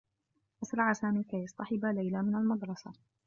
أسرع سامي كي يصطحب ليلى من المدرسة.